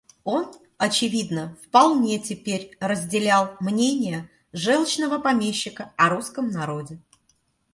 Он, очевидно, вполне теперь разделял мнение желчного помещика о русском народе.